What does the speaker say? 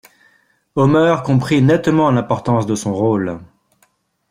Omer comprit nettement l'importance de son rôle.